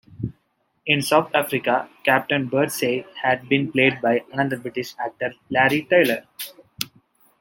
In South Africa, Captain Birdseye had been played by another British actor, Larry Taylor.